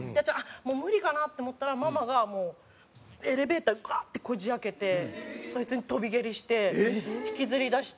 もう無理かな？って思ったらママがもうエレベーターガッてこじ開けてそいつに跳び蹴りして引きずり出して